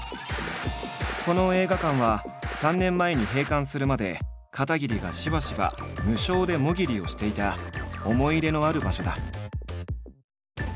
この映画館は３年前に閉館するまで片桐がしばしば無償で「もぎり」をしていた思い入れのある場所だ。